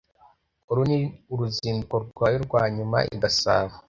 Uru ni uruzinduko rwawe rwa nyuma i Gasabo?